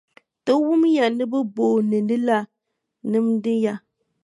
Ti wumya ni bɛ booni li la nimdi ya.